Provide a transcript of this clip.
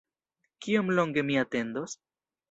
Kiom longe mi atendos?